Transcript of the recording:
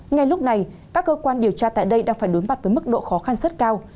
ngay lúc này các cơ quan điều tra tại đây đang phải đối mặt với mức độ khó khăn rất cao